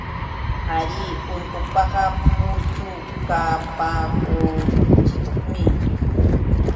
Ariyá urqupaqa puchukapakunchikmiki.